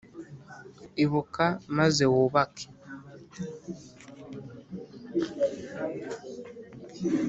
ibuka, maze wubake.